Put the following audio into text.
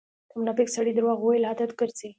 د منافق سړی درواغ وويل عادت ګرځئ.